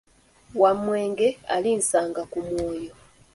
Wamwenge alisanga ku mwoyo.